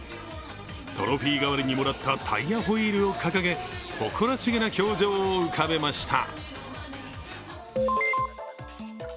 トロフィー代わりにもらったタイヤホイールを掲げ誇らしげな表情を浮かべました。